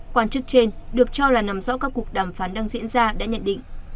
quan chức trên được cho là nằm rõ các cuộc đàm phán đang diễn ra đã nhận định